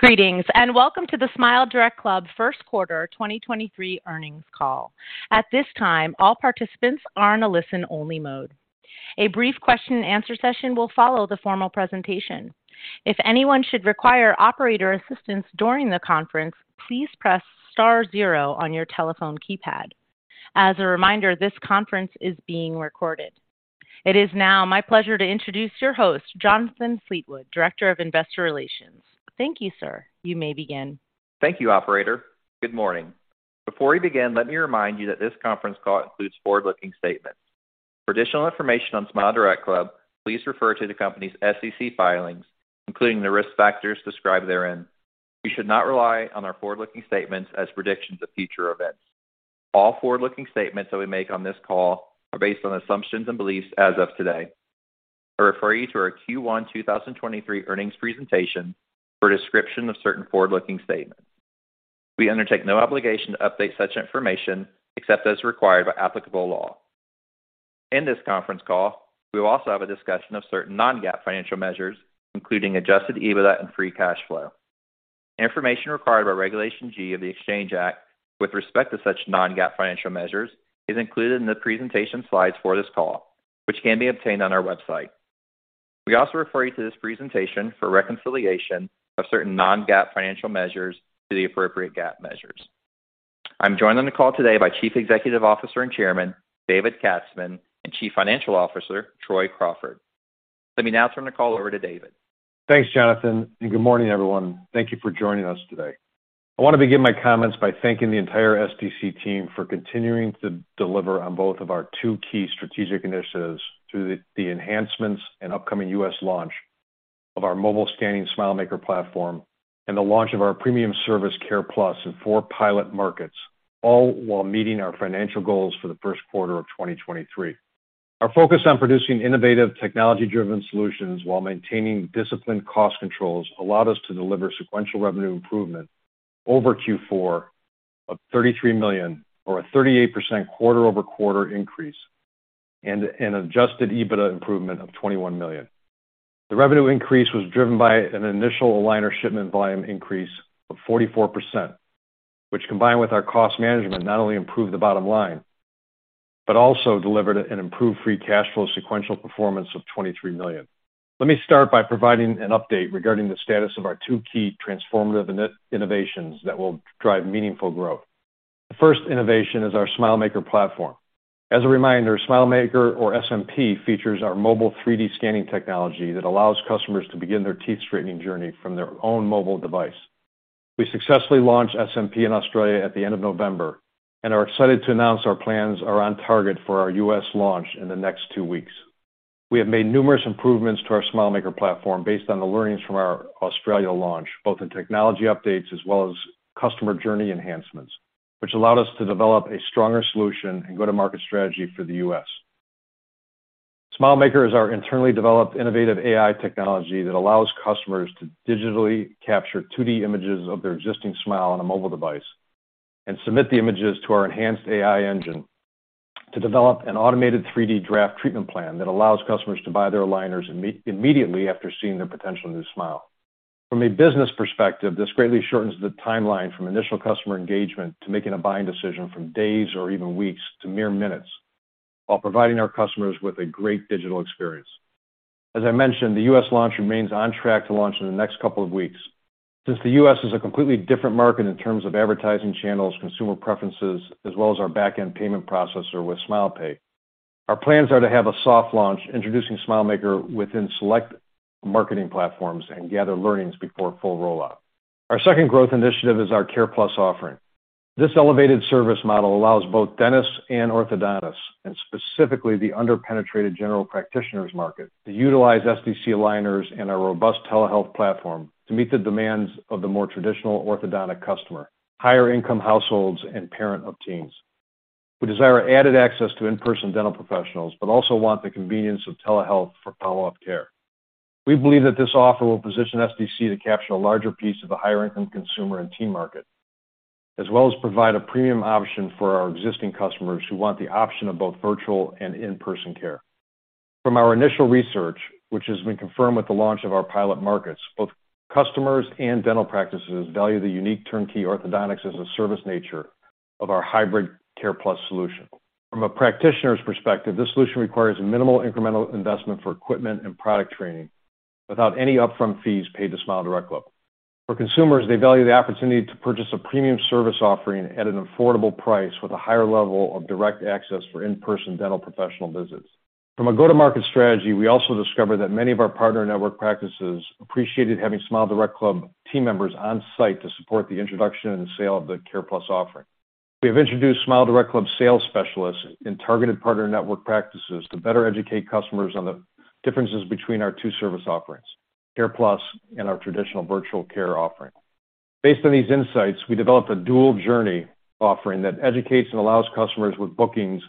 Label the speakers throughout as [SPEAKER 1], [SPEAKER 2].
[SPEAKER 1] Greetings, and welcome to the SmileDirectClub Q1 2023 Earnings Call. At this time, all participants are in a listen-only mode. A brief question and answer session will follow the formal presentation. If anyone should require operator assistance during the conference, please press star zero on your telephone keypad. As a reminder, this conference is being recorded. It is now my pleasure to introduce your host, Jonathan Fleetwood, Director of Investor Relations. Thank you, sir. You may begin.
[SPEAKER 2] Thank you, operator. Good morning. Before we begin, let me remind you that this conference call includes forward-looking statements. For additional information on SmileDirectClub, please refer to the company's SEC filings, including the risk factors described therein. You should not rely on our forward-looking statements as predictions of future events. All forward-looking statements that we make on this call are based on assumptions and beliefs as of today. I refer you to our Q1 2023 earnings presentation for a description of certain forward-looking statements. We undertake no obligation to update such information, except as required by applicable law. In this conference call, we will also have a discussion of certain non-GAAP financial measures, including adjusted EBITDA and free cash flow. Information required by Regulation G of the Exchange Act with respect to such non-GAAP financial measures is included in the presentation slides for this call, which can be obtained on our website. We also refer you to this presentation for reconciliation of certain non-GAAP financial measures to the appropriate GAAP measures. I'm joined on the call today by Chief Executive Officer and Chairman, David Katzman, and Chief Financial Officer, Troy Crawford. Let me now turn the call over to David.
[SPEAKER 3] Thanks, Jonathan. Good morning, everyone. Thank you for joining us today. I want to begin my comments by thanking the entire SDC team for continuing to deliver on both of our two key strategic initiatives through the enhancements and upcoming U.S. launch of our mobile scanning SmileMaker Platform and the launch of our premium service CarePlus in four pilot markets, all while meeting our financial goals for the Q1 of 2023. Our focus on producing innovative technology-driven solutions while maintaining disciplined cost controls allowed us to deliver sequential revenue improvement over Q4 of $33 million, or a 38% quarter-over-quarter increase and an adjusted EBITDA improvement of $21 million. The revenue increase was driven by an initial aligner shipment volume increase of 44%, which combined with our cost management, not only improved the bottom line, but also delivered an improved free cash flow sequential performance of $23 million. Let me start by providing an update regarding the status of our two key transformative innovations that will drive meaningful growth. The first innovation is our SmileMaker Platform. As a reminder, SmileMaker or SMP features our mobile 3D scanning technology that allows customers to begin their teeth straightening journey from their own mobile device. We successfully launched SMP in Australia at the end of November and are excited to announce our plans are on target for our U.S. launch in the next two weeks. We have made numerous improvements to our SmileMaker Platform based on the learnings from our Australia launch, both in technology updates as well as customer journey enhancements, which allowed us to develop a stronger solution and go-to-market strategy for the US. SmileMaker is our internally developed innovative AI technology that allows customers to digitally capture 2D images of their existing smile on a mobile device and submit the images to our enhanced AI engine to develop an automated 3D draft treatment plan that allows customers to buy their aligners immediately after seeing their potential new smile. From a business perspective, this greatly shortens the timeline from initial customer engagement to making a buying decision from days or even weeks to mere minutes while providing our customers with a great digital experience. As I mentioned, the US launch remains on track to launch in the next couple of weeks. Since the U.S. is a completely different market in terms of advertising channels, consumer preferences, as well as our back-end payment processor with SmilePay, our plans are to have a soft launch introducing SmileMaker within select marketing platforms and gather learnings before full rollout. Our second growth initiative is our CarePlus offering. This elevated service model allows both dentists and orthodontists, and specifically the under-penetrated general practitioners market, to utilize SDC aligners and our robust telehealth platform to meet the demands of the more traditional orthodontic customer, higher income households, and parent of teens who desire added access to in-person dental professionals, but also want the convenience of telehealth for follow-up care. We believe that this offer will position SDC to capture a larger piece of the higher income consumer and teen market, as well as provide a premium option for our existing customers who want the option of both virtual and in-person care. From our initial research, which has been confirmed with the launch of our pilot markets, both customers and dental practices value the unique turnkey orthodontics-as-a-service nature of our hybrid CarePlus solution. From a practitioner's perspective, this solution requires minimal incremental investment for equipment and product training without any upfront fees paid to SmileDirectClub. For consumers, they value the opportunity to purchase a premium service offering at an affordable price with a higher level of direct access for in-person dental professional visits. From a go-to-market strategy, we also discovered that many of our partner network practices appreciated having SmileDirectClub team members on-site to support the introduction and sale of the CarePlus offering. We have introduced SmileDirectClub sales specialists in targeted partner network practices to better educate customers on the differences between our two service offerings, CarePlus and our traditional virtual care offering. Based on these insights, we developed a dual journey offering that educates and allows customers with bookings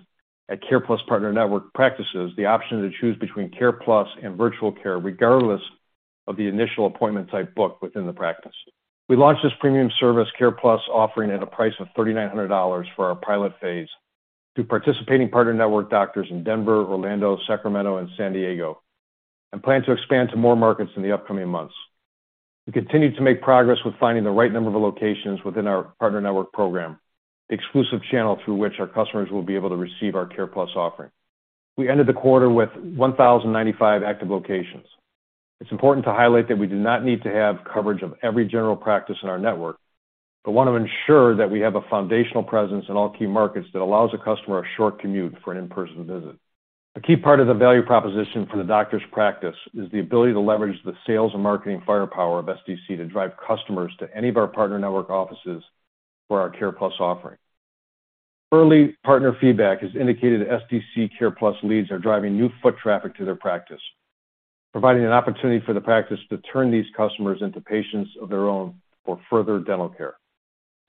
[SPEAKER 3] at CarePlus partner network practices the option to choose between CarePlus and virtual care regardless of the initial appointment type booked within the practice. We launched this premium service CarePlus offering at a price of $3,900 for our pilot phase. To participating partner network doctors in Denver, Orlando, Sacramento, and San Diego, and plan to expand to more markets in the upcoming months. We continue to make progress with finding the right number of locations within our partner network program, the exclusive channel through which our customers will be able to receive our Care Plus offering. We ended the quarter with 1,095 active locations. It's important to highlight that we do not need to have coverage of every general practice in our network, but want to ensure that we have a foundational presence in all key markets that allows a customer a short commute for an in-person visit. A key part of the value proposition for the doctor's practice is the ability to leverage the sales and marketing firepower of SDC to drive customers to any of our partner network offices for our Care Plus offering. Early partner feedback has indicated SDC CarePlus leads are driving new foot traffic to their practice, providing an opportunity for the practice to turn these customers into patients of their own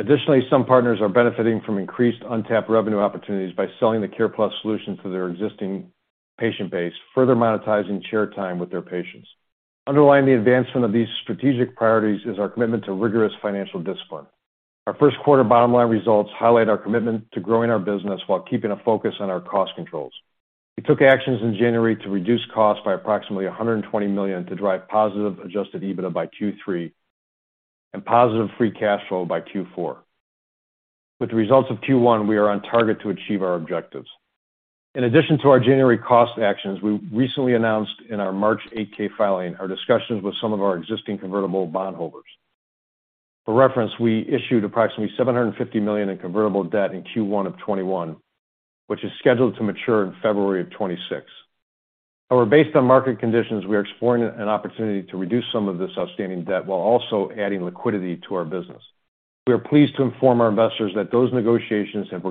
[SPEAKER 3] for further dental care. Some partners are benefiting from increased untapped revenue opportunities by selling the CarePlus solution to their existing patient base, further monetizing chair time with their patients. Underlying the advancement of these strategic priorities is our commitment to rigorous financial discipline. Our Q1 bottom line results highlight our commitment to growing our business while keeping a focus on our cost controls. We took actions in January to reduce costs by approximately $120 million to drive positive adjusted EBITDA by Q3 and positive free cash flow by Q4. The results of Q1, we are on target to achieve our objectives. In addition to our January cost actions, we recently announced in our March 8-K filing our discussions with some of our existing convertible bondholders. For reference, we issued approximately $750 million in convertible debt in Q1 of 2021, which is scheduled to mature in February of 2026. Based on market conditions, we are exploring an opportunity to reduce some of this outstanding debt while also adding liquidity to our business. We are pleased to inform our investors that those negotiations have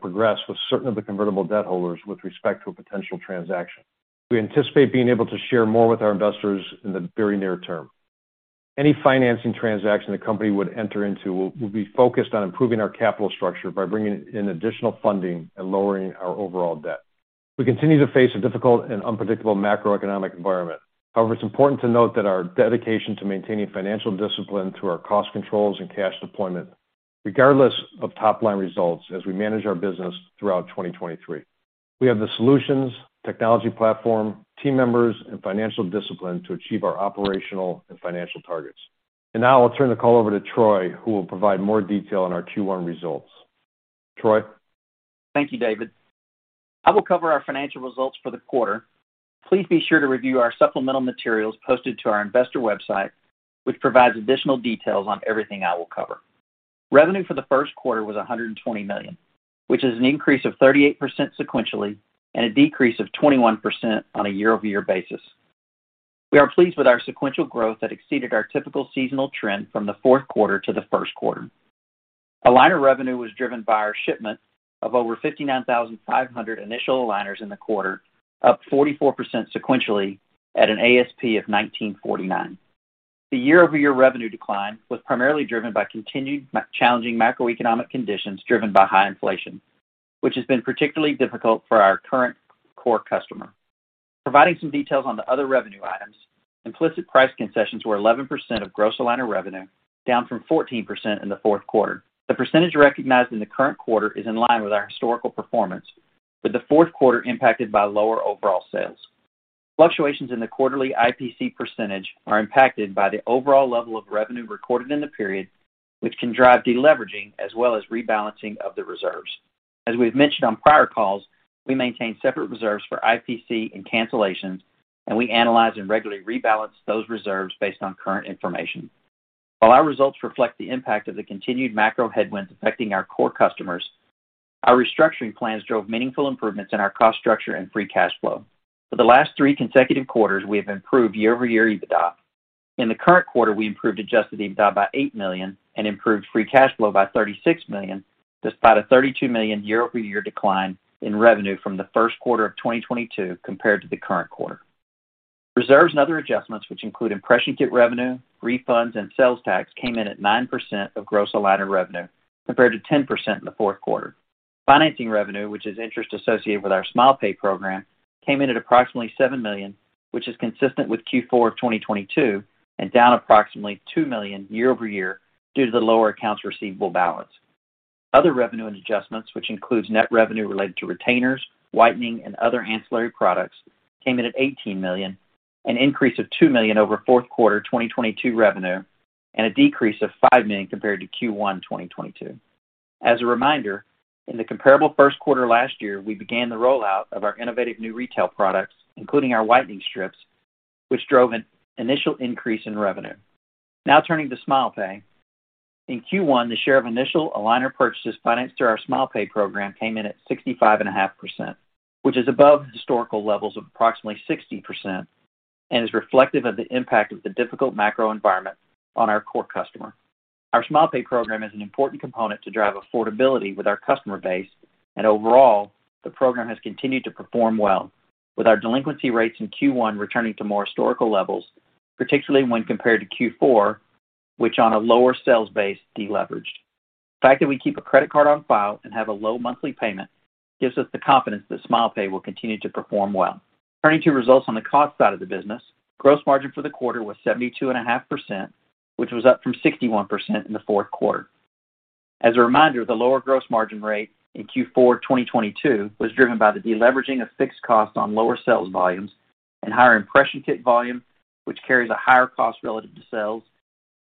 [SPEAKER 3] progressed with certain of the convertible debt holders with respect to a potential transaction. We anticipate being able to share more with our investors in the very near term. Any financing transaction the company would enter into will be focused on improving our capital structure by bringing in additional funding and lowering our overall debt. We continue to face a difficult and unpredictable macroeconomic environment. However, it's important to note that our dedication to maintaining financial discipline through our cost controls and cash deployment, regardless of top-line results as we manage our business throughout 2023. We have the solutions, technology platform, team members, and financial discipline to achieve our operational and financial targets. Now I'll turn the call over to Troy, who will provide more detail on our Q1 results. Troy?
[SPEAKER 4] Thank you, David. I will cover our financial results for the quarter. Please be sure to review our supplemental materials posted to our investor website, which provides additional details on everything I will cover. Revenue for the Q1 was $120 million, which is an increase of 38% sequentially and a decrease of 21% on a year-over-year basis. We are pleased with our sequential growth that exceeded our typical seasonal trend from the Q4 to the Q1. Aligner revenue was driven by our shipment of over 59,500 initial aligners in the quarter, up 44% sequentially at an ASP of $1,949. The year-over-year revenue decline was primarily driven by continued challenging macroeconomic conditions driven by high inflation, which has been particularly difficult for our current core customer. Providing some details on the other revenue items, implicit price concessions were 11% of gross aligner revenue, down from 14% in the Q4. The percentage recognized in the current quarter is in line with our historical performance, with the Q4 impacted by lower overall sales. Fluctuations in the quarterly IPC percentage are impacted by the overall level of revenue recorded in the period, which can drive deleveraging as well as rebalancing of the reserves. As we've mentioned on prior calls, we maintain separate reserves for IPC and cancellations, and we analyze and regularly rebalance those reserves based on current informa tion. While our results reflect the impact of the continued macro headwinds affecting our core customers, our restructuring plans drove meaningful improvements in our cost structure and free cash flow. For the last three consecutive quarters, we have improved year-over-year EBITDA. In the current quarter, we improved adjusted EBITDA by $8 million and improved free cash flow by $36 million, despite a $32 million year-over-year decline in revenue from the Q1 of 2022 compared to the current quarter. Reserves and other adjustments, which include impression kit revenue, refunds, and sales tax, came in at 9% of gross aligner revenue, compared to 10% in the Q4. Financing revenue, which is interest associated with our SmilePay program, came in at approximately $7 million, which is consistent with Q4 of 2022 and down approximately $2 million year-over-year due to the lower accounts receivable balance. Other revenue and adjustments, which includes net revenue related to retainers, whitening, and other ancillary products, came in at $18 million, an increase of $2 million over Q4 2022 revenue, and a decrease of $5 million compared to Q1 2022. As a reminder, in the comparable Q1 last year, we began the rollout of our innovative new retail products, including our whitening strips, which drove an initial increase in revenue. Turning to SmilePay. In Q1, the share of initial aligner purchases financed through our SmilePay program came in at 65.5%, which is above historical levels of approximately 60% and is reflective of the impact of the difficult macro environment on our core customer. Our SmilePay program is an important component to drive affordability with our customer base. Overall, the program has continued to perform well, with our delinquency rates in Q1 returning to more historical levels, particularly when compared to Q4, which on a lower sales base, deleveraged. The fact that we keep a credit card on file and have a low monthly payment gives us the confidence that SmilePay will continue to perform well. Turning to results on the cost side of the business, gross margin for the quarter was 72.5%. It was up from 61% in the Q4. As a reminder, the lower gross margin rate in Q4 2022 was driven by the deleveraging of fixed costs on lower sales volumes and higher impression kit volume, which carries a higher cost relative to sales,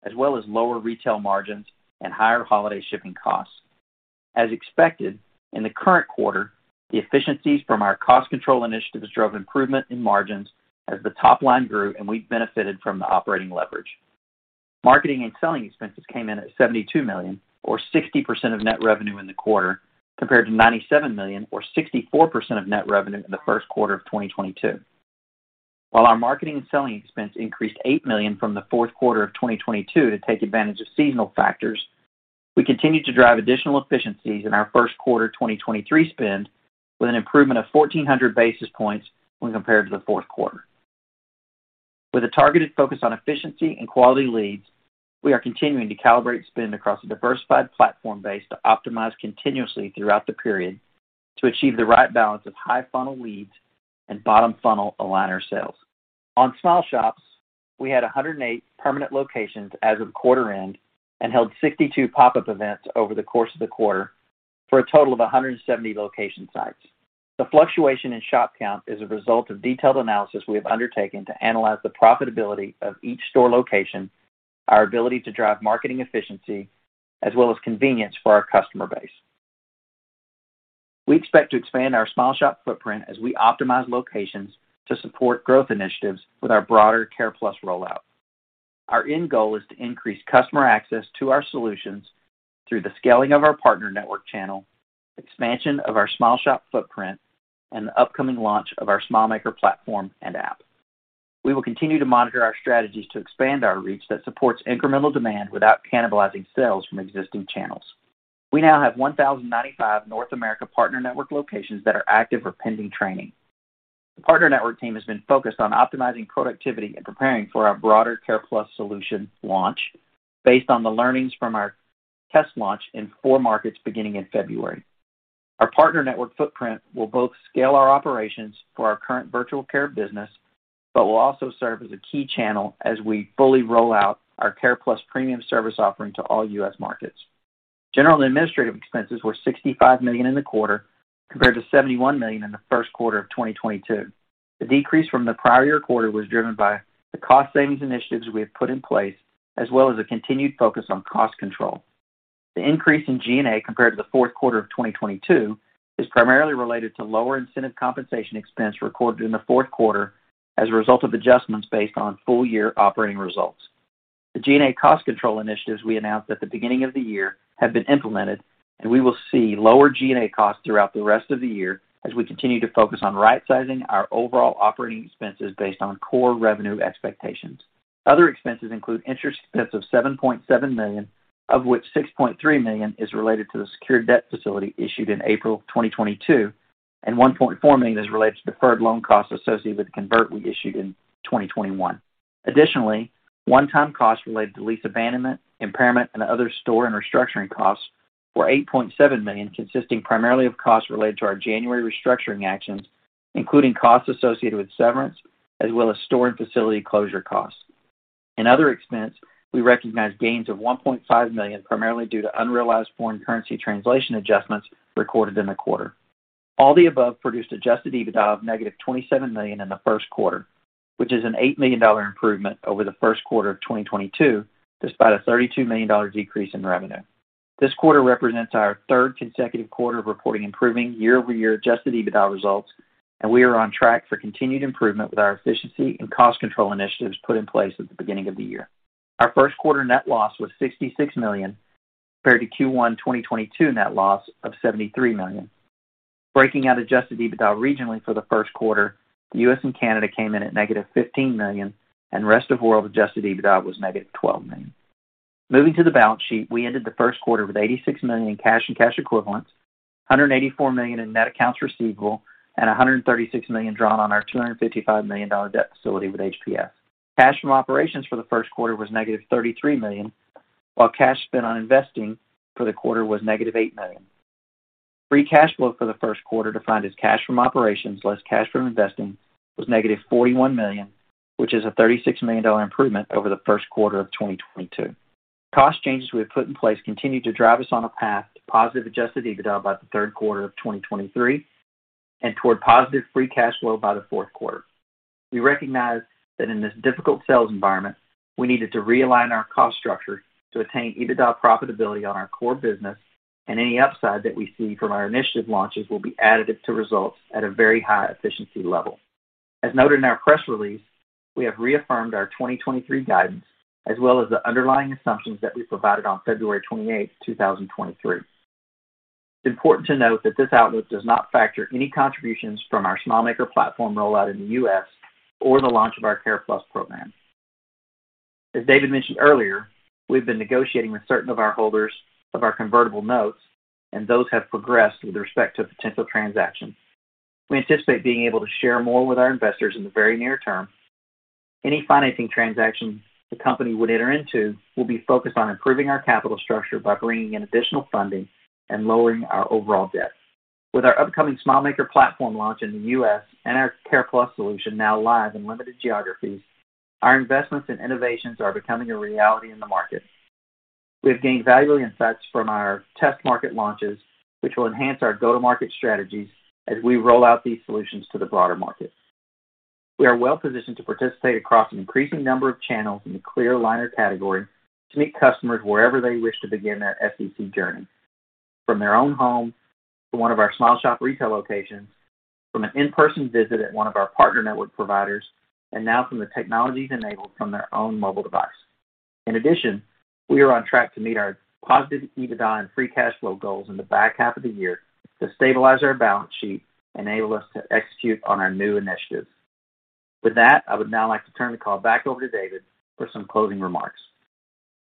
[SPEAKER 4] as well as lower retail margins and higher holiday shipping costs. As expected, in the current quarter, the efficiencies from our cost control initiatives drove improvement in margins as the top line grew and we benefited from the operating leverage. Marketing and selling expenses came in at $72 million or 60% of net revenue in the quarter, compared to $97 million or 64% of net revenue in the Q1 of 2022. While our marketing and selling expense increased $8 million from the Q4 of 2022 to take advantage of seasonal factors, we continued to drive additional efficiencies in our Q1 2023 spend with an improvement of 1,400 basis points when compared to the Q4. With a targeted focus on efficiency and quality leads, we are continuing to calibrate spend across a diversified platform base to optimize continuously throughout the period to achieve the right balance of high funnel leads and bottom funnel aligner sales. On SmileShops, we had 108 permanent locations as of quarter end and held 62 pop-up events over the course of the quarter for a total of 170 location sites. The fluctuation in shop count is a result of detailed analysis we have undertaken to analyze the profitability of each store location, our ability to drive marketing efficiency, as well as convenience for our customer base. We expect to expand our SmileShop footprint as we optimize locations to support growth initiatives with our broader CarePlus rollout. Our end goal is to increase customer access to our solutions through the scaling of our partner network channel, expansion of our SmileShop footprint, and the upcoming launch of our SmileMaker Platform and app. We will continue to monitor our strategies to expand our reach that supports incremental demand without cannibalizing sales from existing channels. We now have 1,095 North America partner network locations that are active or pending training. The partner network team has been focused on optimizing productivity and preparing for our broader CarePlus solution launch based on the learnings from our test launch in four markets beginning in February. Our partner network footprint will both scale our operations for our current virtual care business, but will also serve as a key channel as we fully roll out our CarePlus premium service offering to all U.S. markets. General and administrative expenses were $65 million in the quarter, compared to $71 million in the Q1 of 2022. The decrease from the prior year quarter was driven by the cost savings initiatives we have put in place, as well as a continued focus on cost control. The increase in G&A compared to the Q4 of 2022 is primarily related to lower incentive compensation expense recorded in the Q4 as a result of adjustments based on full-year operating results. The G&A cost control initiatives we announced at the beginning of the year have been implemented, and we will see lower G&A costs throughout the rest of the year as we continue to focus on rightsizing our overall operating expenses based on core revenue expectations. Other expenses include interest expense of $7.7 million, of which $6.3 million is related to the secured debt facility issued in April 2022, and $1.4 million is related to deferred loan costs associated with the convert we issued in 2021. Additionally, one-time costs related to lease abandonment, impairment, and other store and restructuring costs were $8.7 million, consisting primarily of costs related to our January restructuring actions, including costs associated with severance as well as store and facility closure costs. In other expense, we recognized gains of $1.5 million, primarily due to unrealized foreign currency translation adjustments recorded in the quarter. All the above produced adjusted EBITDA of negative $27 million in the Q1, which is an $8 million improvement over the Q1 of 2022, despite a $32 million decrease in revenue. This quarter represents our third consecutive quarter of reporting improving year-over-year adjusted EBITDA results. We are on track for continued improvement with our efficiency and cost control initiatives put in place at the beginning of the year. Our Q1 net loss was $66 million, compared to Q1 2022 net loss of $73 million. Breaking out adjusted EBITDA regionally for the Q1, the U.S. and Canada came in at negative $15 million. Rest of world adjusted EBITDA was negative $12 million. Moving to the balance sheet, we ended the Q1 with $86 million in cash and cash equivalents, $184 million in net accounts receivable, and $136 million drawn on our $255 million debt facility with HPS. Cash from operations for the Q1 was negative $33 million, while cash spent on investing for the quarter was negative $8 million. Free cash flow for the Q1, defined as cash from operations less cash from investing, was negative $41 million, which is a $36 million improvement over the Q1 of 2022. Cost changes we have put in place continue to drive us on a path to positive adjusted EBITDA by the third quarter of 2023 and toward positive free cash flow by the Q4. We recognize that in this difficult sales environment, we needed to realign our cost structure to attain EBITDA profitability on our core business, and any upside that we see from our initiative launches will be additive to results at a very high efficiency level. As noted in our press release, we have reaffirmed our 2023 guidance as well as the underlying assumptions that we provided on February 28, 2023. It's important to note that this outlook does not factor any contributions from our SmileMaker Platform rollout in the U.S. or the launch of our CarePlus program. As David mentioned earlier, we've been negotiating with certain of our holders of our convertible notes. Those have progressed with respect to a potential transaction. We anticipate being able to share more with our investors in the very near term. Any financing transaction the company would enter into will be focused on improving our capital structure by bringing in additional funding and lowering our overall debt. With our upcoming SmileMaker Platform launch in the U.S. and our CarePlus solution now live in limited geographies, our investments and innovations are becoming a reality in the market. We have gained valuable insights from our test market launches, which will enhance our go-to-market strategies as we roll out these solutions to the broader market. We are well positioned to participate across an increasing number of channels in the clear aligner category to meet customers wherever they wish to begin their SDC journey, from their own home to one of our Smile Shop retail locations, from an in-person visit at one of our partner network providers, and now from the technologies enabled from their own mobile device. In addition, we are on track to meet our positive EBITDA and free cash flow goals in the back half of the year to stabilize our balance sheet and enable us to execute on our new initiatives. With that, I would now like to turn the call back over to David for some closing remarks.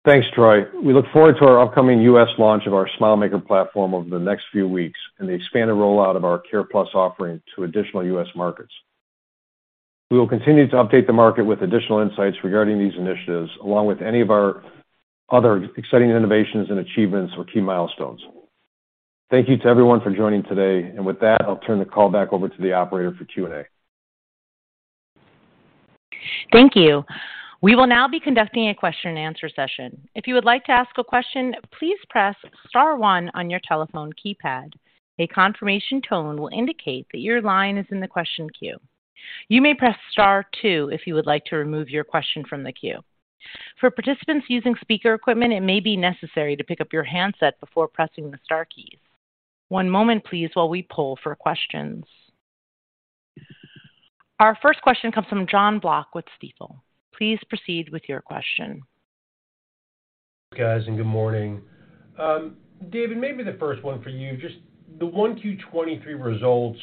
[SPEAKER 3] Thanks, Troy. We look forward to our upcoming US launch of our SmileMaker Platform over the next few weeks and the expanded rollout of our CarePlus offering to additional US markets. We will continue to update the market with additional insights regarding these initiatives, along with any of our other exciting innovations and achievements or key milestones. Thank you to everyone for joining today. With that, I'll turn the call back over to the operator for Q&A.
[SPEAKER 1] Thank you. We will now be conducting a question and answer session. If you would like to ask a question, please press star one on your telephone keypad. A confirmation tone will indicate that your line is in the question queue. You may press star two if you would like to remove your question from the queue. For participants using speaker equipment, it may be necessary to pick up your handset before pressing the star keys. One moment, please, while we poll for questions. Our first question comes from Jon Block with Stifel. Please proceed with your question.
[SPEAKER 5] Guys, good morning. David, maybe the first one for you. Just the Q1 2023 results,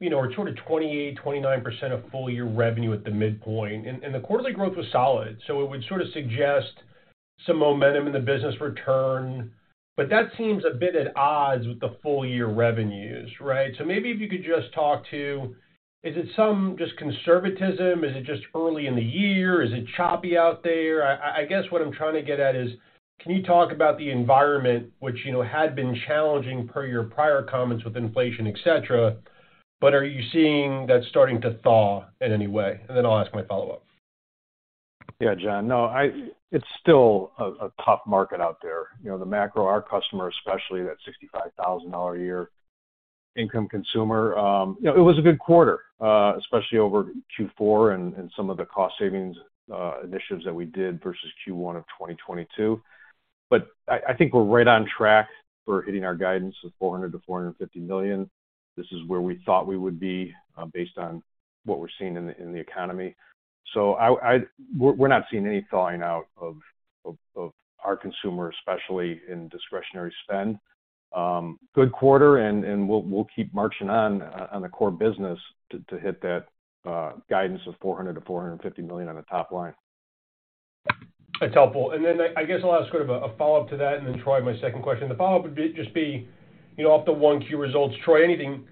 [SPEAKER 5] you know, are sort of 28%-29% of full-year revenue at the midpoint, and the quarterly growth was solid. It would sort of suggest some momentum in the business return. That seems a bit at odds with the full-year revenues, right? Maybe if you could just talk to, is it some just conservatism? Is it just early in the year? Is it choppy out there? I guess what I'm trying to get at is, can you talk about the environment which, you know, had been challenging per your prior comments with inflation, et cetera, but are you seeing that starting to thaw in any way? Then I'll ask my follow-up.
[SPEAKER 3] Yeah, Jon. No, it's still a tough market out there. You know, the macro, our customer especially, that $65,000 a year income consumer, you know, it was a good quarter, especially over Q4 and some of the cost savings initiatives that we did versus Q1 of 2022. I think we're right on track for hitting our guidance of $400 million-$450 million. This is where we thought we would be, based on what we're seeing in the economy. I, we're not seeing any thawing out of our consumer, especially in discretionary spend. Good quarter and we'll keep marching on the core business to hit that guidance of $400 million-$450 million on the top line.
[SPEAKER 5] That's helpful. Then I guess I'll ask sort of a follow-up to that then Troy, my second question. The follow-up just, you know, off the 1Q results, Troy, anything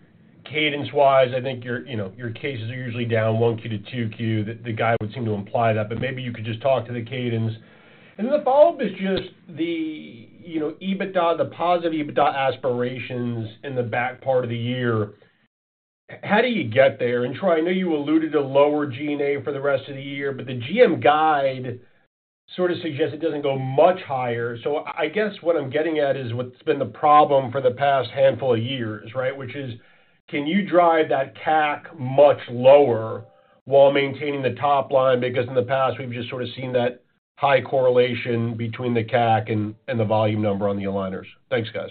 [SPEAKER 5] cadence-wise? I think your, you know, your cases are usually down Q1 to 2Q. The guide would seem to imply that, but maybe you could just talk to the cadence. Then the follow-up is just the, you know, EBITDA, the positive EBITDA aspirations in the back part of the year. How do you get there? Troy, I know you alluded to lower G&A for the rest of the year, but the GM guide sort of suggests it doesn't go much higher. I guess what I'm getting at is what's been the problem for the past handful of years, right? Which is, can you drive that CAC much lower while maintaining the top line? In the past, we've just sort of seen that high correlation between the CAC and the volume number on the aligners. Thanks, guys.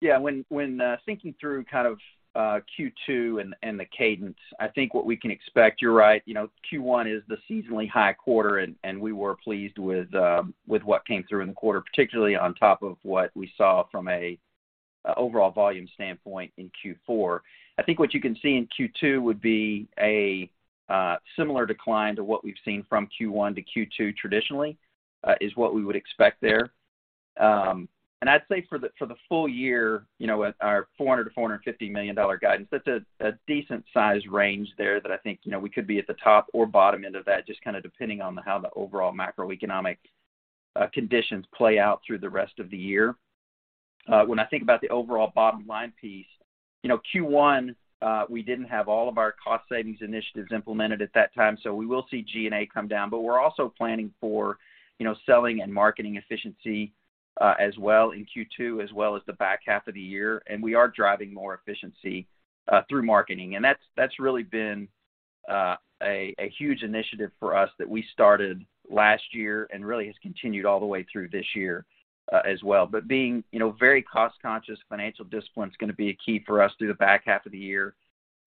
[SPEAKER 4] Yeah. When thinking through kind of Q2 and the cadence, I think what we can expect, you're right, you know, Q1 is the seasonally high quarter, and we were pleased with what came through in the quarter, particularly on top of what we saw from an overall volume standpoint in Q4. I think what you can see in Q2 would be a similar decline to what we've seen from Q1 to Q2 traditionally, is what we would expect there. I'd say for the, for the full year, you know, our $400 million-$450 million guidance, that's a decent size range there that I think, you know, we could be at the top or bottom end of that, just kind of depending on how the overall macroeconomic conditions play out through the rest of the year. When I think about the overall bottom line piece, you know, Q1, we didn't have all of our cost savings initiatives implemented at that time, so we will see G&A come down. We're also planning for, you know, selling and marketing efficiency as well in Q2, as well as the back half of the year, and we are driving more efficiency through marketing. That's, that's really been a huge initiative for us that we started last year and really has continued all the way through this year as well. Being, you know, very cost conscious, financial discipline is gonna be a key for us through the back half of the year.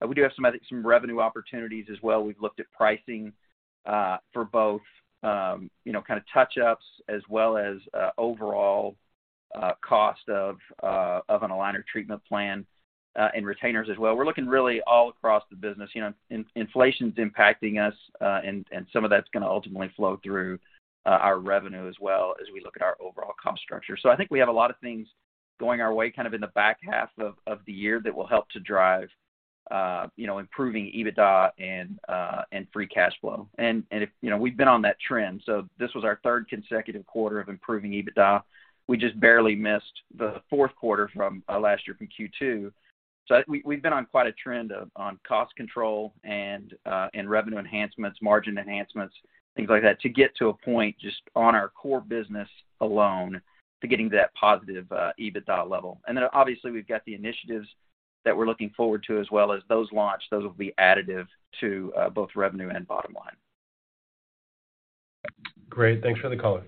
[SPEAKER 4] We do have some other revenue opportunities as well. We've looked at pricing for both, you know, kind of touch-ups as well as overall cost of an aligner treatment plan and retainers as well. We're looking really all across the business. You know, inflation is impacting us, and some of that's gonna ultimately flow through our revenue as well as we look at our overall cost structure. I think we have a lot of things going our way kind of in the back half of the year that will help to drive, you know, improving EBITDA and free cash flow. You know, we've been on that trend, so this was our third consecutive quarter of improving EBITDA. We just barely missed the Q4 from last year from Q2. We've been on quite a trend on cost control and revenue enhancements, margin enhancements, things like that, to get to a point just on our core business alone to getting to that positive EBITDA level. Obviously, we've got the initiatives that we're looking forward to as well. As those launch, those will be additive to both revenue and bottom line.
[SPEAKER 3] Great. Thanks for the color.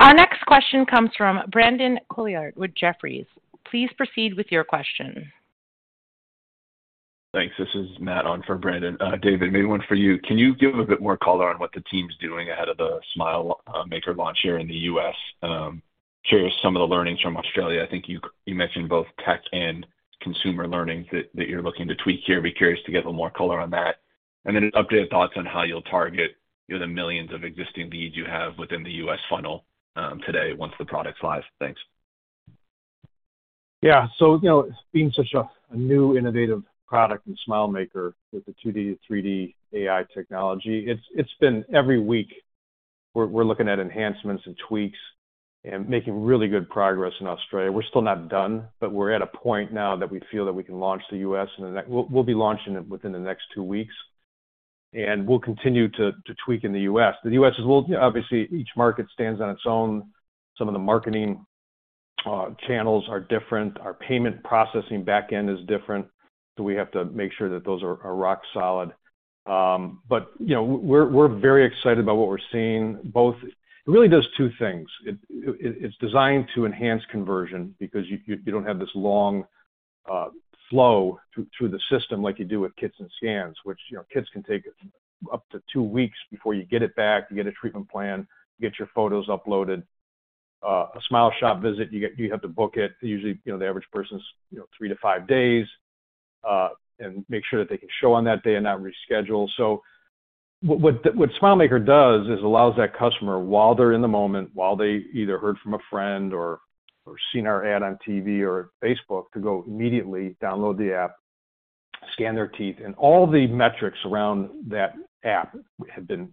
[SPEAKER 1] Our next question comes from Brandon Couillard with Jefferies. Please proceed with your question.
[SPEAKER 6] Thanks. This is Matt on for Brandon. David, maybe one for you. Can you give a bit more color on what the team's doing ahead of the SmileMaker launch here in the U.S.? Curious some of the learnings from Australia. I think you mentioned both tech and consumer learnings that you're looking to tweak here. Be curious to get a more color on that. Updated thoughts on how you'll target, you know, the millions of existing leads you have within the U.S. funnel today once the product's live? Thanks.
[SPEAKER 3] Yeah. you know, being such a new innovative product with SmileMaker with the 2D, 3D AI technology, it's been every week we're looking at enhancements and tweaks and making really good progress in Australia. We're still not done, but we're at a point now that we feel that we can launch the U.S. We'll be launching it within the next two weeks, and we'll continue to tweak in the U.S. Obviously, each market stands on its own. Some of the marketing channels are different. Our payment processing backend is different, we have to make sure that those are rock solid. you know, we're very excited about what we're seeing. It really does two things. It's designed to enhance conversion because you don't have this long flow through the system like you do with kits and scans, which, you know, kits can take up to two weeks before you get it back, you get a treatment plan, get your photos uploaded. A SmileShop visit, you have to book it. Usually, you know, the average person's, you know, three to five days, and make sure that they can show on that day and not reschedule. What SmileMaker does is allows that customer while they're in the moment, while they either heard from a friend or seen our ad on TV or Facebook, to go immediately download the app, scan their teeth. All the metrics around that app have been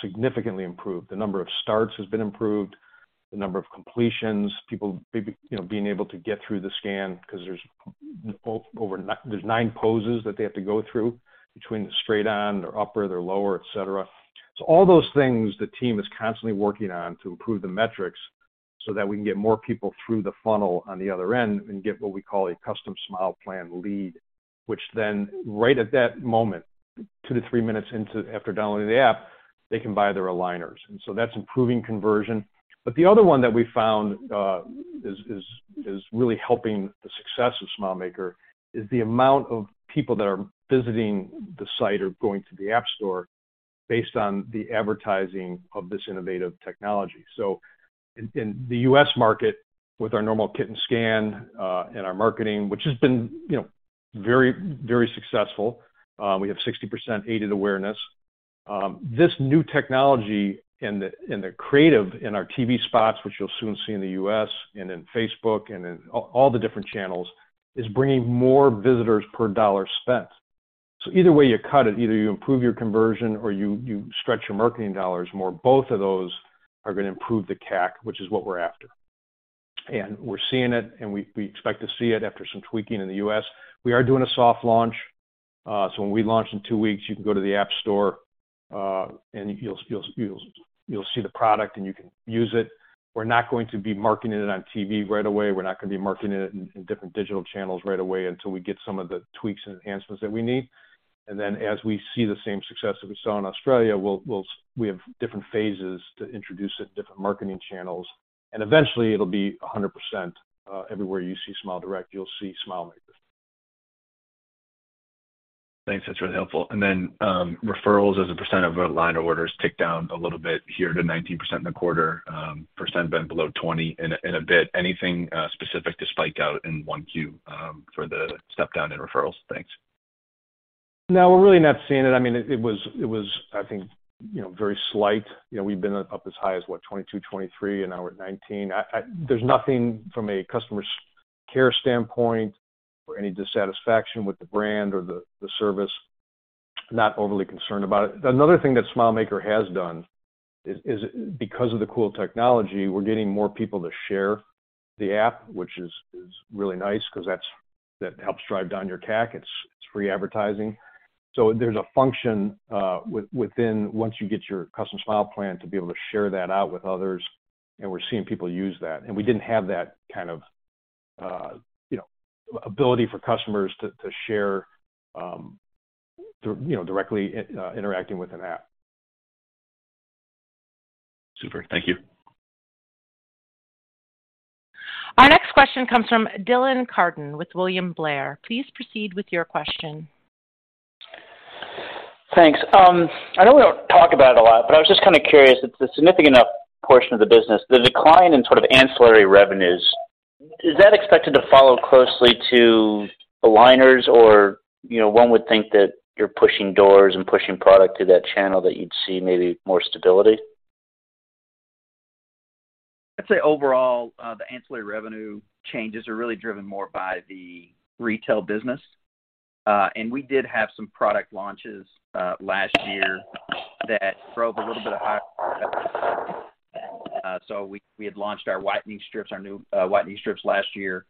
[SPEAKER 3] significantly improved. The number of starts has been improved, the number of completions, people be, you know, being able to get through the scan 'cause there's nine poses that they have to go through between the straight on, their upper, their lower, et cetera. All those things, the team is constantly working on to improve the metrics so that we can get more people through the funnel on the other end and get what we call a Custom Smile Plan lead, which then right at that moment, two to three minutes into after downloading the app, they can buy their aligners. That's improving conversion. The other one that we found, is really helping the success of SmileMaker is the amount of people that are visiting the site or going to the App Store based on the advertising of this innovative technology. In the US market with our normal kit and scan, and our marketing, which has been, you know, very, very successful, we have 60% aided awareness. This new technology and the creative in our TV spots, which you'll soon see in the US and in Facebook and in all the different channels, is bringing more visitors per dollar spent. Either way you cut it, either you improve your conversion or you stretch your marketing dollars more. Both of those are gonna improve the CAC, which is what we're after. We're seeing it, and we expect to see it after some tweaking in the US. We are doing a soft launch. When we launch in two weeks, you can go to the App Store, and you'll see the product and you can use it. We're not going to be marketing it on TV right away. We're not gonna be marketing it in different digital channels right away until we get some of the tweaks and enhancements that we need. Then as we see the same success that we saw in Australia, we'll We have different phases to introduce it in different marketing channels, and eventually it'll be 100%, everywhere you see SmileDirect, you'll see SmileMaker.
[SPEAKER 6] Thanks. That's really helpful. Referrals as a percent of aligner orders ticked down a little bit here to 19% in the quarter, percent been below 20 in a, in a bit. Anything specific to spike out in 1Q for the step down in referrals? Thanks.
[SPEAKER 3] No, we're really not seeing it. I mean, it was I think, you know, very slight. We've been up as high as what? 22, 23, and now we're at 19. There's nothing from a customer care standpoint or any dissatisfaction with the brand or the service. Not overly concerned about it. Another thing that Smile Maker has done is because of the cool technology, we're getting more people to share the app, which is really nice 'cause that helps drive down your CAC. It's free advertising. There's a function, within once you get your Custom Smile Plan to be able to share that out with others, and we're seeing people use that, and we didn't have that kind of, you know, ability for customers to share, through, you know, directly in, interacting with an app.
[SPEAKER 6] Super. Thank you.
[SPEAKER 1] Our next question comes from Dylan Carden with William Blair. Please proceed with your question.
[SPEAKER 7] Thanks. I know we don't talk about it a lot, but I was just kind of curious. It's a significant enough portion of the business. The decline in sort of ancillary revenues, is that expected to follow closely to aligners or, you know, one would think that you're pushing doors and pushing product through that channel that you'd see maybe more stability?
[SPEAKER 4] I'd say overall, the ancillary revenue changes are really driven more by the retail business. We did have some product launches last year that drove a little bit of higher revenue. We had launched our whitening strips, our new whitening strips last year.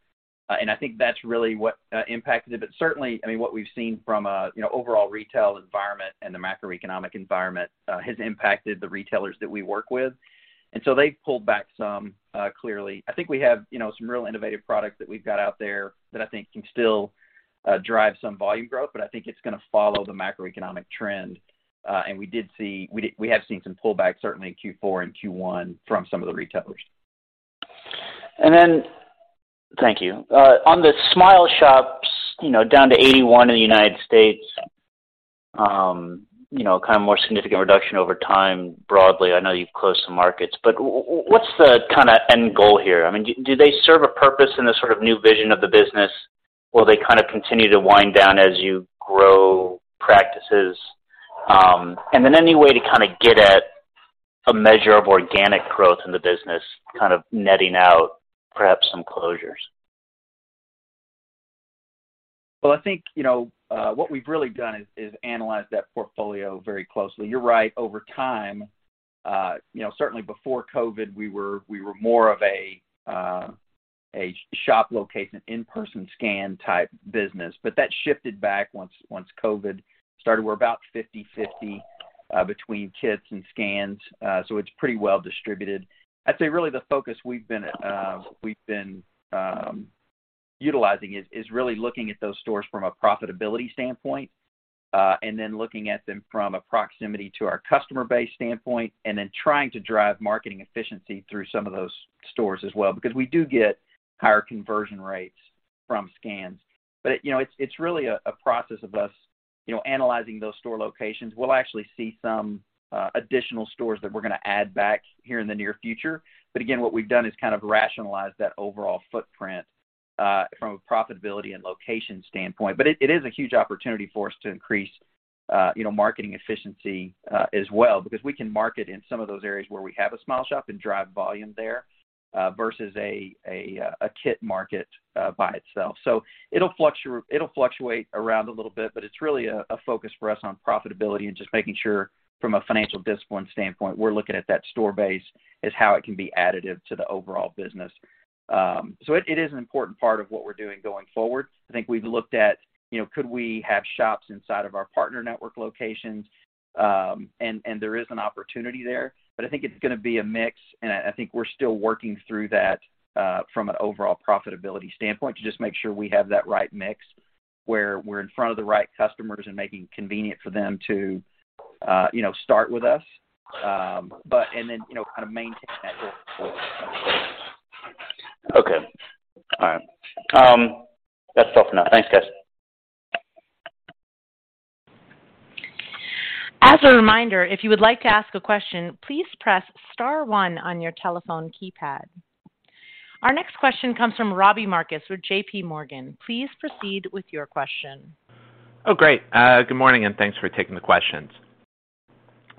[SPEAKER 4] I think that's really what impacted it. Certainly, I mean, what we've seen from a, you know, overall retail environment and the macroeconomic environment, has impacted the retailers that we work with. They've pulled back some clearly. I think we have, you know, some real innovative products that we've got out there that I think can still drive some volume growth, but I think it's gonna follow the macroeconomic trend. We have seen some pullback certainly in Q4 and Q1 from some of the retailers.
[SPEAKER 7] Thank you. On the SmileShops, you know, down to 81 in the United States, you know, kind of more significant reduction over time broadly. I know you've closed some markets, but what's the kinda end goal here? I mean, do they serve a purpose in this sort of new vision of the business? Will they kind of continue to wind down as you grow practices? Any way to kinda get at a measure of organic growth in the business, kind of netting out perhaps some closures?
[SPEAKER 4] Well, I think, you know, what we've really done is analyze that portfolio very closely. You're right, over time, you know, certainly before COVID, we were more of a shop location, in-person scan type business. That shifted back once COVID started. We're about 50/50 between kits and scans, so it's pretty well distributed. I'd say really the focus we've been utilizing is really looking at those stores from a profitability standpoint, and then looking at them from a proximity to our customer base standpoint, and then trying to drive marketing efficiency through some of those stores as well because we do get higher conversion rates from scans. You know, it's really a process of us, you know, analyzing those store locations. We'll actually see some additional stores that we're gonna add back here in the near future. Again, what we've done is kind of rationalize that overall footprint from a profitability and location standpoint. It, it is a huge opportunity for us to increase, you know, marketing efficiency as well, because we can market in some of those areas where we have a SmileShop and drive volume there versus a kit market by itself. It'll fluctuate around a little bit, but it's really a focus for us on profitability and just making sure from a financial discipline standpoint, we're looking at that store base as how it can be additive to the overall business. It, it is an important part of what we're doing going forward. I think we've looked at, you know, could we have shops inside of our partner network locations? There is an opportunity there, but I think it's gonna be a mix, and I think we're still working through that, from an overall profitability standpoint to just make sure we have that right mix, where we're in front of the right customers and making convenient for them to, you know, start with us. You know, kind of maintain that growth going forward.
[SPEAKER 7] Okay. All right. That's all for now. Thanks, guys.
[SPEAKER 1] As a reminder, if you would like to ask a question, please press star one on your telephone keypad. Our next question comes from Robbie Marcus with J.P. Morgan. Please proceed with your question.
[SPEAKER 8] Great. Good morning, and thanks for taking the questions.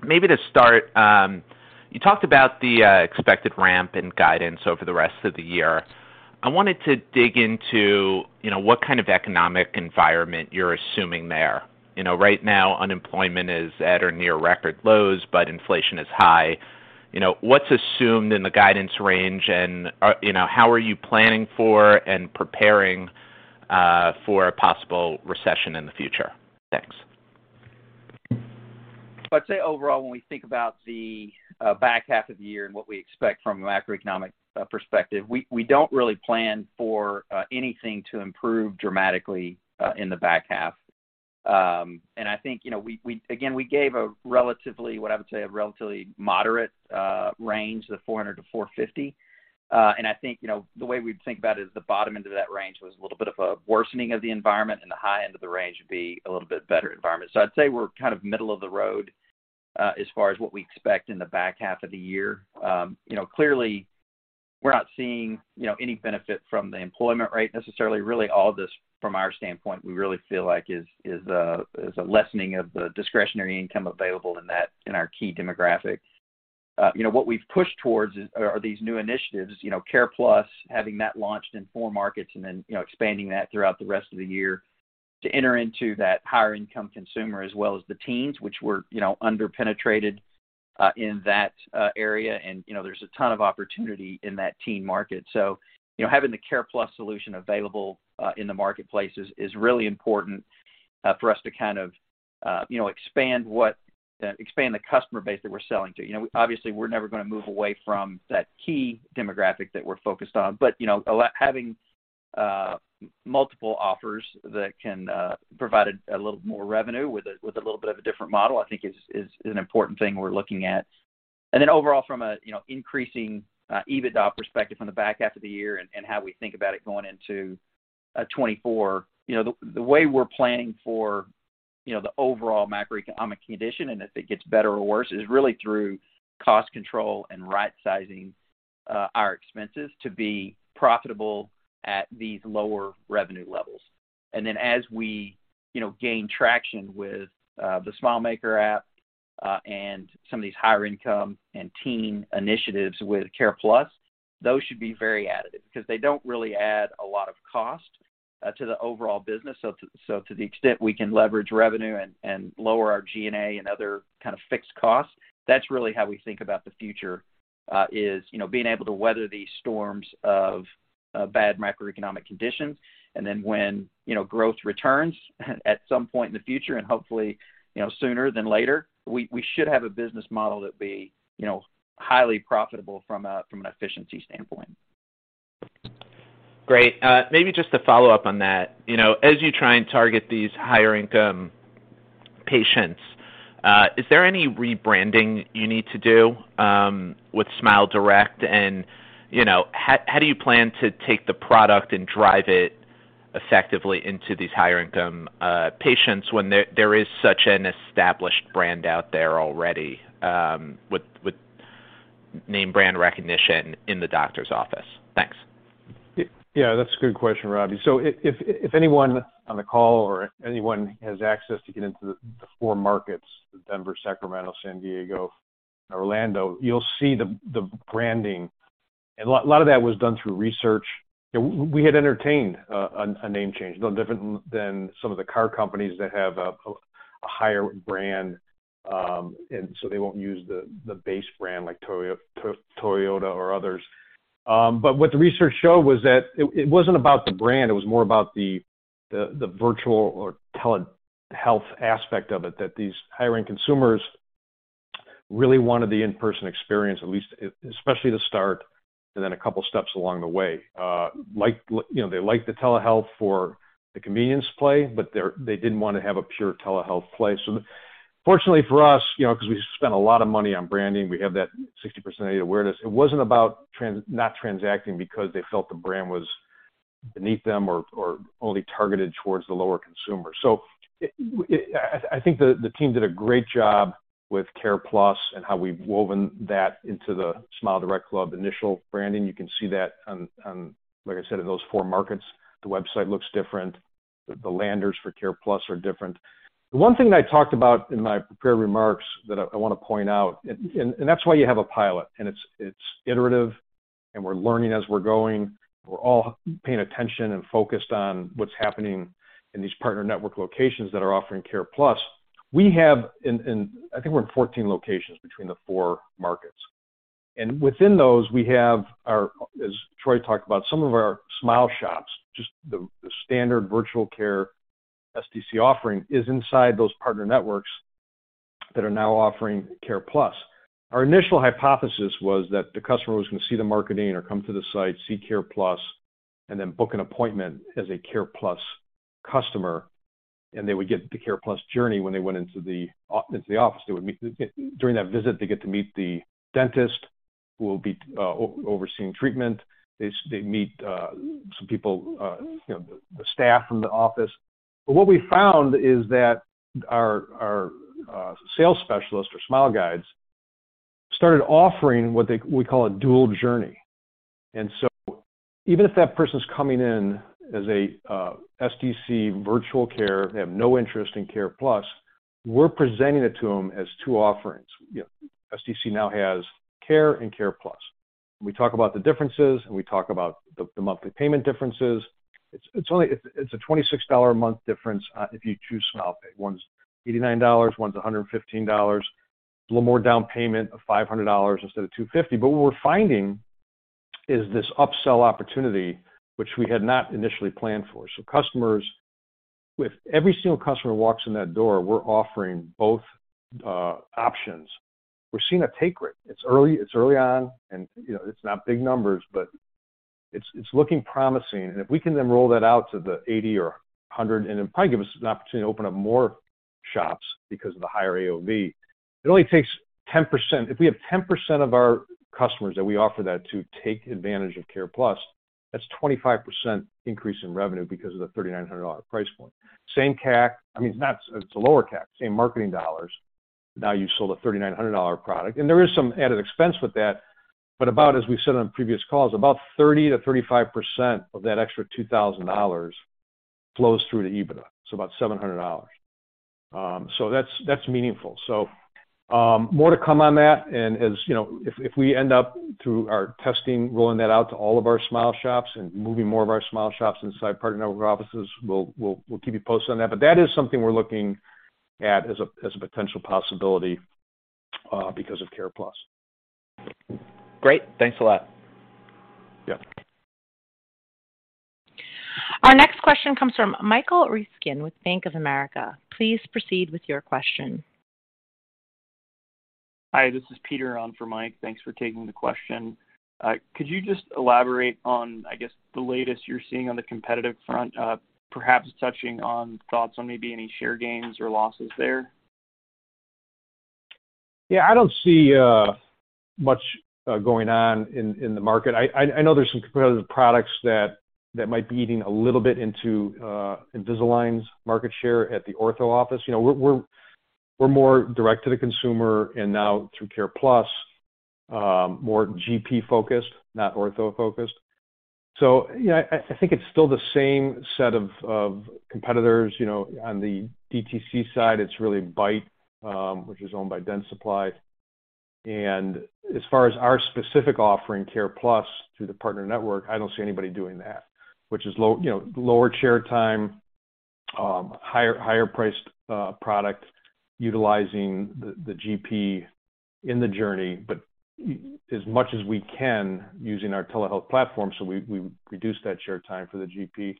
[SPEAKER 8] Maybe to start, you talked about the expected ramp and guidance over the rest of the year. I wanted to dig into, you know, what kind of economic environment you're assuming there. You know, right now, unemployment is at or near record lows, but inflation is high. You know, what's assumed in the guidance range and are, you know, how are you planning for and preparing for a possible recession in the future? Thanks.
[SPEAKER 4] I'd say overall, when we think about the back half of the year and what we expect from a macroeconomic perspective, we don't really plan for anything to improve dramatically in the back half. I think, you know, we, again, we gave a relatively, what I would say, a relatively moderate range, the $400-$450. I think, you know, the way we'd think about it is the bottom end of that range was a little bit of a worsening of the environment, and the high end of the range would be a little bit better environment. I'd say we're kind of middle of the road as far as what we expect in the back half of the year. You know, clearly we're not seeing, you know, any benefit from the employment rate necessarily. Really all this from our standpoint, we really feel like is a lessening of the discretionary income available in that, in our key demographic. You know, what we've pushed towards is, are these new initiatives, you know, CarePlus, having that launched in four markets and then, you know, expanding that throughout the rest of the year to enter into that higher income consumer as well as the teens, which we're, you know, under-penetrated in that area. And, you know, there's a ton of opportunity in that teen market. So, you know, having the CarePlus solution available in the marketplace is really important for us to kind of, you know, expand the customer base that we're selling to. You know, obviously, we're never gonna move away from that key demographic that we're focused on, but, you know, having multiple offers that can provide a little more revenue with a little bit of a different model, I think is an important thing we're looking at. Overall from a, you know, increasing EBITDA perspective from the back half of the year and how we think about it going into 2024, you know, the way we're planning for, you know, the overall macroeconomic condition and if it gets better or worse is really through cost control and right-sizing our expenses to be profitable at these lower revenue levels. As we, you know, gain traction with the SmileMaker app, and some of these higher income and teen initiatives with CarePlus, those should be very additive because they don't really add a lot of cost to the overall business. To the extent we can leverage revenue and lower our G&A and other kind of fixed costs, that's really how we think about the future, is, you know, being able to weather these storms of bad macroeconomic conditions. When, you know, growth returns at some point in the future, and hopefully, you know, sooner than later, we should have a business model that be, you know, highly profitable from a, from an efficiency standpoint.
[SPEAKER 8] Great. You know, as you try and target these higher income patients, is there any rebranding you need to do with SmileDirect? How do you plan to take the product and drive it effectively into these higher income patients when there is such an established brand out there already with name brand recognition in the doctor's office? Thanks.
[SPEAKER 3] Yeah, that's a good question, Robbie. If anyone on the call or anyone has access to get into the four markets, Denver, Sacramento, San Diego, Orlando, you'll see the branding. A lot of that was done through research. We had entertained a name change, no different than some of the car companies that have a higher brand, they won't use the base brand like Toyota or others. What the research showed was that it wasn't about the brand, it was more about the virtual or telehealth aspect of it, that these higher end consumers really wanted the in-person experience, at least especially to start and then a couple steps along the way. Like, you know, they like the telehealth for the convenience play, but they didn't want to have a pure telehealth play. Fortunately for us, you know, because we spent a lot of money on branding, we have that 60% aid awareness. It wasn't about not transacting because they felt the brand was beneath them or only targeted towards the lower consumer. I think the team did a great job with Care Plus and how we've woven that into the SmileDirectClub initial branding. You can see that on, like I said, in those four markets, the website looks different. The landers for Care Plus are different. The one thing that I talked about in my prepared remarks that I want to point out, and that's why you have a pilot, and it's iterative, and we're learning as we're going. We're all paying attention and focused on what's happening in these partner network locations that are offering Care Plus. We have, I think we're in 14 locations between the four markets. Within those, we have our, as Troy talked about, some of our Smile Shops, just the standard virtual care SDC offering is inside those partner networks that are now offering Care Plus. Our initial hypothesis was that the customer was going to see the marketing or come to the site, see CarePlus, and then book an appointment as a CarePlus customer, and they would get the CarePlus journey when they went into the office. During that visit, they get to meet the dentist who will be overseeing treatment. They meet, some people, you know, the staff from the office. What we found is that our sales specialists or Smile Guides started offering what we call a dual journey. Even if that person's coming in as a SDC virtual care, they have no interest in CarePlus, we're presenting it to them as two offerings. SDC now has Care and CarePlus. We talk about the differences, and we talk about the monthly payment differences. It's a $26 a month difference, if you choose SmilePay. One's $89, one's $115. A little more down payment of $500 instead of $250. What we're finding is this upsell opportunity, which we had not initially planned for. With every single customer walks in that door, we're offering both options. We're seeing a take rate. It's early on, and you know, it's not big numbers, but it's looking promising. If we can then roll that out to the 80 or 100 and then probably give us an opportunity to open up more SmileShops because of the higher AOV, it only takes 10%. If we have 10% of our customers that we offer that to take advantage of CarePlus, that's 25% increase in revenue because of the $3,900 price point. Same CAC, I mean, it's a lower CAC, same marketing dollars. Now you've sold a $3,900 product. There is some added expense with that. About, as we said on previous calls, about 30%-35% of that extra $2,000 flows through to EBITDA. It's about $700. So that's meaningful. More to come on that. As you know, if we end up through our testing, rolling that out to all of our SmileShops and moving more of our SmileShops inside partner network offices, we'll keep you posted on that. That is something we're looking at as a potential possibility, because of CarePlus.
[SPEAKER 8] Great. Thanks a lot.
[SPEAKER 3] Yeah.
[SPEAKER 4] Our next question comes from Michael Ryskin with Bank of America. Please proceed with your question.
[SPEAKER 9] Hi, this is Peter on for Mike. Thanks for taking the question. Could you just elaborate on, I guess, the latest you're seeing on the competitive front, perhaps touching on thoughts on maybe any share gains or losses there?
[SPEAKER 3] Yeah. I don't see much going on in the market. I know there's some competitive products that might be eating a little bit into Invisalign's market share at the ortho office. You know, we're more direct to the consumer and now through CarePlus, more GP-focused, not ortho-focused. Yeah, I think it's still the same set of competitors, you know. On the DTC side, it's really Byte, which is owned by Dentsply Sirona. As far as our specific offering, CarePlus, through the partner network, I don't see anybody doing that, which is, you know, lower chair time, higher priced product utilizing the GP in the journey, but as much as we can using our telehealth platform, so we reduce that chair time for the GP.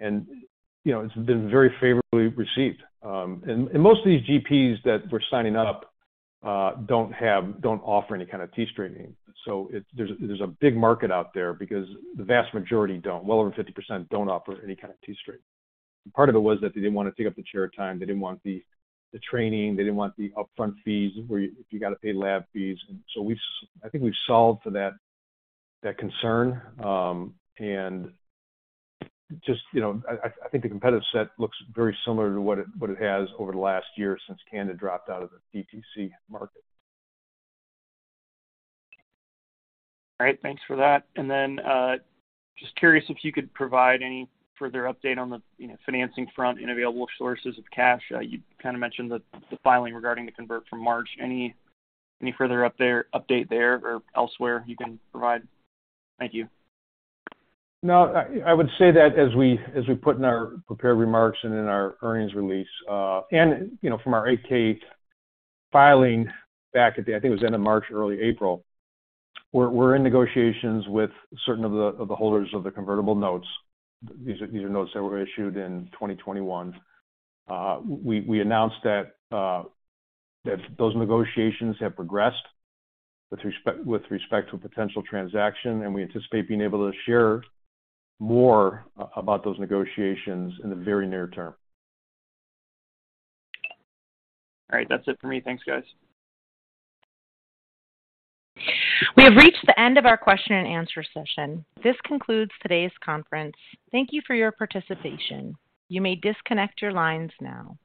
[SPEAKER 3] You know, it's been very favorably received. Most of these GPs that we're signing up don't offer any kind of teeth straightening. There's a big market out there because the vast majority don't. Well over 50% don't offer any kind of teeth straightening. Part of it was that they didn't wanna take up the chair time. They didn't want the training. They didn't want the upfront fees where if you gotta pay lab fees. I think we've solved for that concern. Just, you know, I think the competitive set looks very similar to what it has over the last year since Canada dropped out of the DTC market.
[SPEAKER 9] All right. Thanks for that. Just curious if you could provide any further update on the, you know, financing front and available sources of cash. You kind of mentioned the filing regarding the convert from March. Any further update there or elsewhere you can provide? Thank you.
[SPEAKER 3] No, I would say that as we put in our prepared remarks and in our earnings release, you know, from our 8-K filing, I think it was the end of March or early April, we're in negotiations with certain of the holders of the convertible notes. These are notes that were issued in 2021. We announced that those negotiations have progressed with respect to a potential transaction. We anticipate being able to share more about those negotiations in the very near term.
[SPEAKER 9] All right. That's it for me. Thanks, guys.
[SPEAKER 1] We have reached the end of our question and answer session. This concludes today's conference. Thank you for your participation. You may disconnect your lines now.